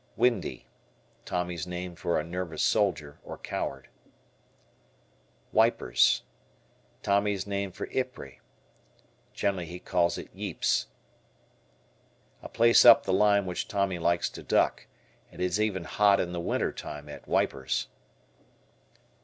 "Windy." Tommy's name for a nervous soldier, coward. "Wipers." Tommy's name for Ypres, sometimes he calls it "Yeeps." A place up the line which Tommy likes to duck. It is even "hot" in the winter time at "Wipers."